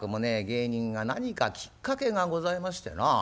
芸人が何かきっかけがございましてなあ